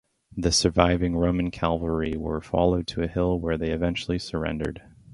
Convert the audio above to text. The surviving Roman cavalry were followed to a hill where they eventually surrendered.